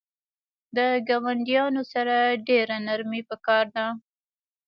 د ګاونډیانو سره ډیره نرمی پکار ده